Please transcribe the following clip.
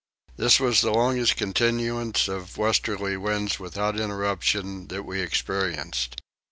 This was the longest continuance of westerly winds without interruption that we experienced.